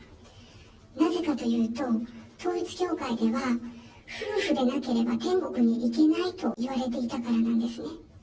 なぜかというと、統一教会では、夫婦でなければ天国に行けないと言われていたからなんですね。